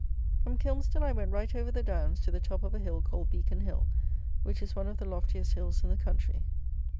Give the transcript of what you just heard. From Kilmston I went right over the downs to the top of a hill called Beacon Hill, which is one of the loftiest hills in the country.